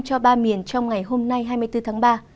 cho ba miền trong ngày hôm nay hai mươi bốn tháng ba